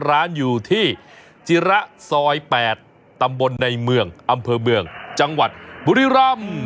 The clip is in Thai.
ร้านอยู่ที่จิระซอย๘ตำบลในเมืองอำเภอเมืองจังหวัดบุรีรำ